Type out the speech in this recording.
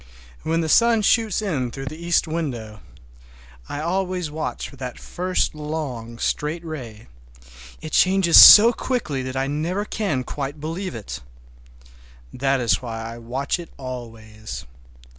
When the sun shoots in through the east window—I always watch for that first long, straight ray—it changes so quickly that I never can quite believe it. That is why I watch it always.